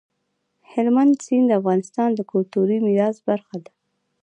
هلمند سیند د افغانستان د کلتوري میراث برخه ده.